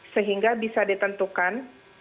sehingga bisa ditentukan